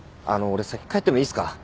あの俺先帰ってもいいっすか？